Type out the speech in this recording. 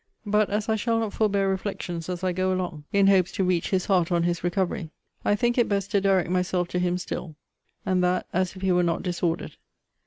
But as I shall not forbear reflections as I go along, in hopes to reach his heart on his recovery, I think it best to direct myself to him still, and that as if he were not disordered.